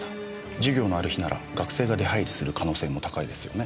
授業のある日なら学生が出入りする可能性も高いですよね。